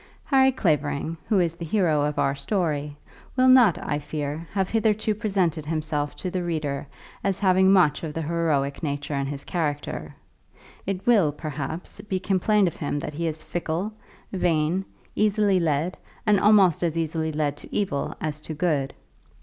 Harry Clavering, who is the hero of our story, will not, I fear, have hitherto presented himself to the reader as having much of the heroic nature in his character. It will, perhaps, be complained of him that he is fickle, vain, easily led, and almost as easily led to evil as to good.